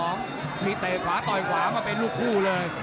มีเตะขวาต่อยขวามาเป็นลูกคู่เลย